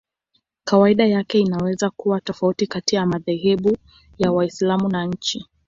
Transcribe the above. Kawaida yake inaweza kuwa tofauti kati ya madhehebu ya Waislamu na nchi.